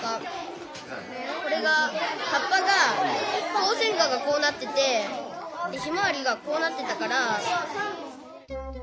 ホウセンカがこうなっててヒマワリがこうなってたから。